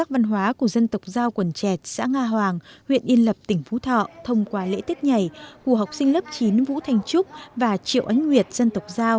văn hóa của địa phương cũng như của cả nước